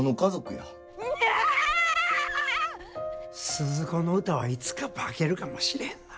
スズ子の歌はいつか化けるかもしれへんな。